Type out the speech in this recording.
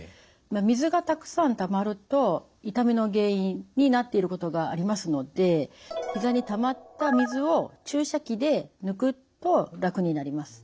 水がたくさんたまると痛みの原因になっていることがありますのでひざにたまった水を注射器で抜くと楽になります。